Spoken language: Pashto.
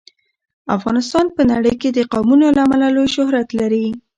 افغانستان په نړۍ کې د قومونه له امله لوی شهرت لري.